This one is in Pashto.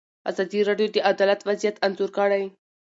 ازادي راډیو د عدالت وضعیت انځور کړی.